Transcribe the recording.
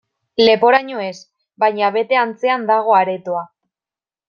Leporaino ez, baina bete antzean dago aretoa.